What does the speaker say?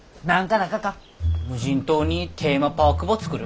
無人島にテーマパークば作る。